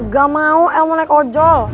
gak mau el mau naik ojol